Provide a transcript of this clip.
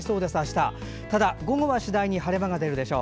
ただ午後は次第に晴れ間が出るでしょう。